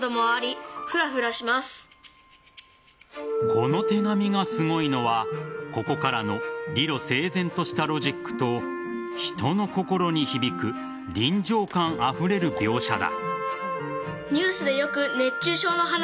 この手紙がすごいのはここからの理路整然としたロジックと人の心に響く臨場感あふれる描写だ。